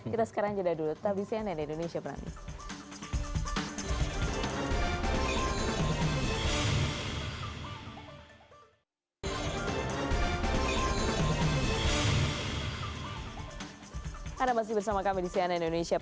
kita sekarang jeda dulu tabis ya nenek